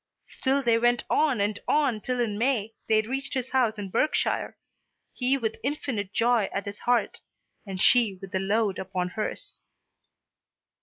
Still they went on and on till in May they reached his house in Berkshire, he with infinite joy at his heart, and she with the load upon hers.